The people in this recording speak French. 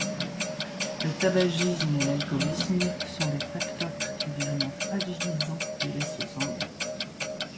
Le tabagisme et l'alcoolisme sont des facteurs particulièrement fragilisants des vaisseaux sanguins.